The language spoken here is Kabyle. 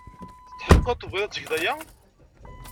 Tetḥeqqeḍ tebɣiḍ ad tgeḍ aya?